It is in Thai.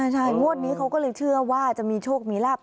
ใช่งวดนี้เขาก็เลยเชื่อว่าจะมีโชคมีลาบ